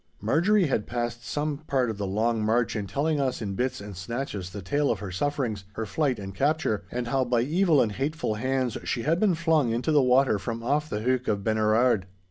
Marjorie had passed some part of the long march in telling us in bits and snatches the tale of her sufferings, her flight and capture, and how by evil and hateful hands she had been flung into the water from off the Heuch of Benerard.